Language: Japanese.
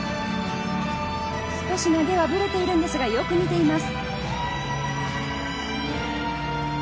少し投げはブレているのですが、よく見ています。